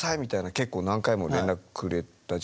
結構何回も連絡くれたじゃない。